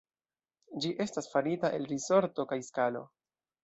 Ĝi estas farita el risorto kaj skalo.